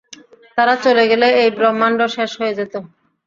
তারা চলে গেলে, এই ব্রহ্মান্ড শেষ হয়ে যেত।